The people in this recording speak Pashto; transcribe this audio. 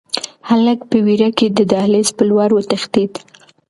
هلک په وېره کې د دهلېز په لور وتښتېد.